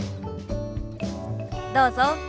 どうぞ。